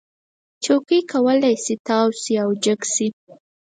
چوکۍ کولی شي تاو شي او جګ شي.